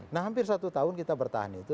nah hampir satu tahun kita bertahan itu